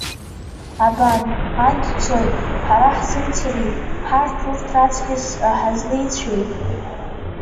Абан, анҭ цоит, ҳара ҳзымцари, ҳарҭ урҭ раҵкьыс ҳазлеицәеи?